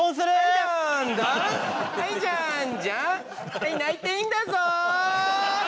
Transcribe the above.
はい泣いていいんだぞ！